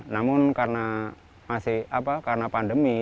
namun karena masih karena pandemi